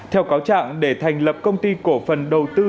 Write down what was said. theo cáo trạng để thành lập công ty cổ phần đầu tư